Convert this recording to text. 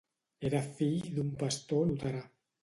Era fill d'un pastor luterà.